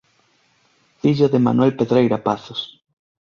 Fillo de Manuel Pedreira Pazos.